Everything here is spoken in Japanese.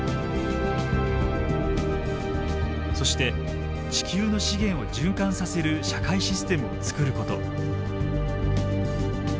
そして地球の資源を循環させる社会システムを作ること。